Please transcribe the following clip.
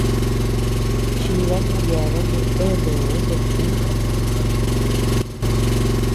Chidan yeabeanu eanuu yudtiñ.